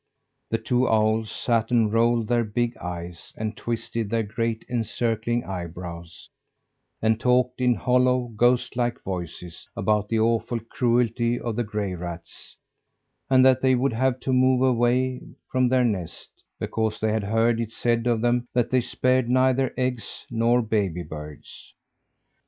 The two owls sat and rolled their big eyes, and twisted their great, encircling eyebrows, and talked in hollow, ghost like voices, about the awful cruelty of the gray rats, and that they would have to move away from their nest, because they had heard it said of them that they spared neither eggs nor baby birds.